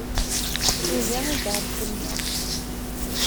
D tuga i iɛellef lmal.